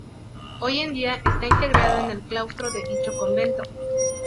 Hoy en día está integrado en el claustro de dicho convento.